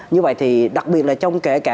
như vậy thì đặc biệt là trong kể cả